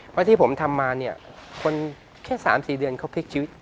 เพราะที่ผมทำมาเนี่ยคนแค่๓๔เดือนเขาพลิกชีวิต